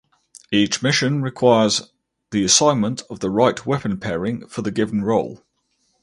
Each mission requires the assignment of the right weapon pairing for the given role.